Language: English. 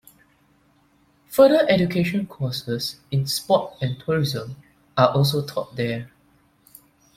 Further Education courses in sport and tourism are also taught there.